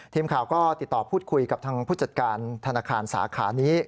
ทีมข่าวก็ติดต่อพูดคุยกับทางผู้จัดการธนาคารสาขานี้